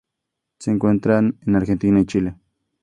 Se encuentran en Argentina y Chile.